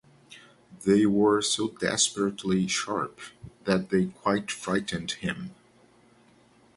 They were so desperately sharp, that they quite frightened him.